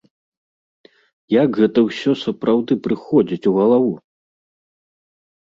Як гэта ўсё сапраўды прыходзіць у галаву?